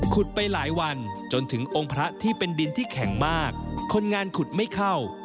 ไปหลายวันจนถึงองค์พระที่เป็นดินที่แข็งมากคนงานขุดไม่เข้า